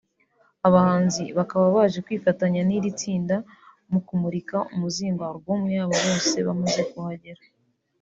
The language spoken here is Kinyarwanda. Abahanzi bakaba baje kwifatanya n’iri tsinda mu kumurika umuzingo(Album) yabo bose bamaze kuhagera